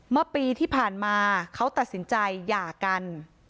เมื่อปีที่ผ่านมาเขาตัดสินใจหย่ากัน